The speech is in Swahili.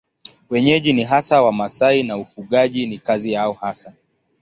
Wenyeji ni hasa Wamasai na ufugaji ni kazi yao hasa.